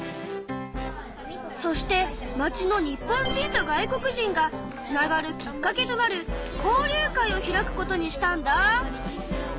そして町の日本人と外国人がつながるきっかけとなる交流会を開くことにしたんだ。